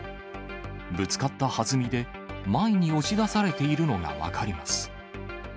ぶつかったはずみで、前に押し出されているのが分かります。